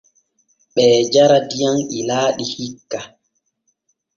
Ɓee jara diyam ilaaɗi hikka.